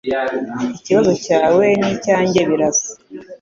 Ikibazo cyawe nicyanjye birasa